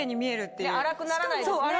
粗くならないですね。